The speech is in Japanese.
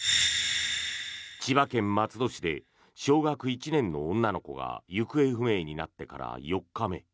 千葉県松戸市で小学１年の女の子が行方不明になってから４日目。